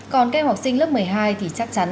còn các em học sinh lớp một mươi hai thì chắc chắn